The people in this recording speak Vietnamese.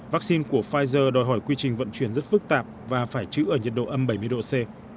vaccine của pfizer đòi hỏi quy trình vận chuyển rất phức tạp và phải chữ ở nhiệt độ âm bảy mươi độ c